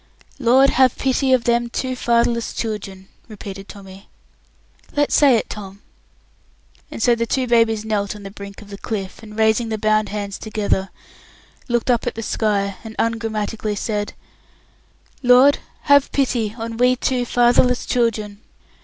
"Lord, have pity on them two fatherless children!" repeated Tommy. "Let's say it together." And so the two babies knelt on the brink of the cliff, and, raising the bound hands together, looked up at the sky, and ungrammatically said, "Lord have pity on we two fatherless children!"